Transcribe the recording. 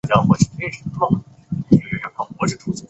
苦槛蓝为苦槛蓝科苦槛蓝属下的一个种。